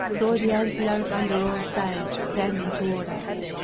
saw the Antelope under all sail, standing toward us.